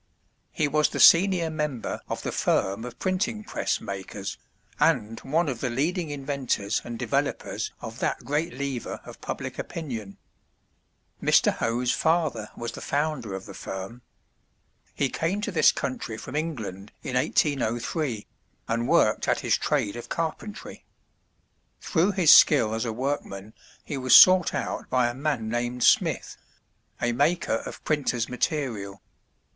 He was the senior member of the firm of printing press makers, and one of the leading inventors and developers of that great lever of public opinion. Mr. Hoe's father was the founder of the firm. He came to this country from England in 1803, and worked at his trade of carpentry. Through his skill as a workman he was sought out by a man named Smith, a maker of printer's material.